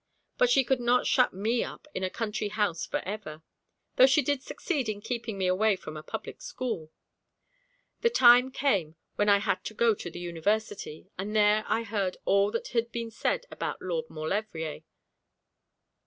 But she could not shut me up in a country house for ever, though she did succeed in keeping me away from a public school. The time came when I had to go to the University, and there I heard all that had been said about Lord Maulevrier.